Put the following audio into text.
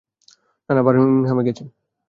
না, মা বার্মিংহামে গেছে।